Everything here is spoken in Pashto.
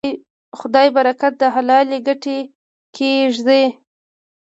خدای برکت د حلالې ګټې کې ږدي.